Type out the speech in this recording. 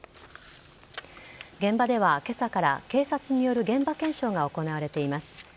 現場では今朝から警察による現場検証が行われています。